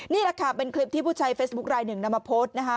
นี่แหละค่ะเป็นคลิปที่ผู้ใช้เฟซบุ๊คลายหนึ่งนำมาโพสต์นะคะ